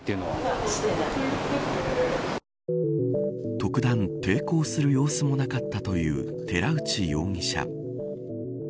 特段、抵抗する様子もなかったという寺内容疑者。